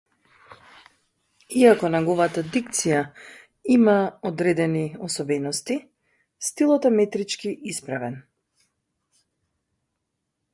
Although his diction presents some peculiarities, the style is metrically correct.